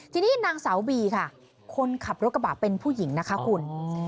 ทีนี้นางสาวบีค่ะคนขับรถกระบะเป็นผู้หญิงนะคะคุณ